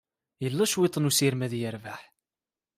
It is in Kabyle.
Yella cwiṭ n ussirem ad yerbeḥ.